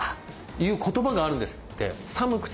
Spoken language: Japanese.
いう言葉があるんですって。